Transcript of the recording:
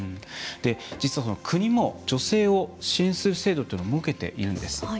実は国も女性を支援する制度というのを設けているんです。